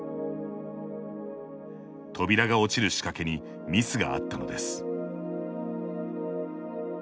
扉が落ちる仕掛けにミスがあったのです。